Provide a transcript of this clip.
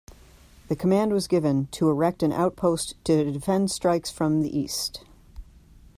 The command was given to erect an outpost to defend strikes from the east.